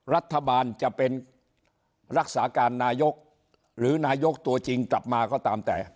รัฐบาลจะเป็นรักษาการนายกหรือนายกตัวจริงกลับมาก็ตามแต่